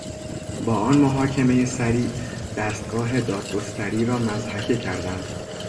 با آن محاکمهی سریع دستگاه دادگستری را مضحکه کردند.